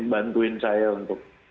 bantuin saya untuk